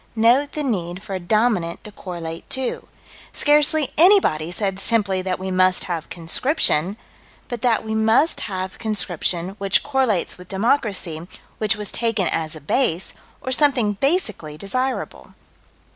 Note the need for a dominant to correlate to. Scarcely anybody said simply that we must have conscription: but that we must have conscription, which correlates with democracy, which was taken as a base, or something basically desirable.